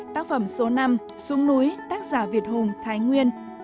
tác phẩm số năm xuống núi tác giả việt hùng thái nguyên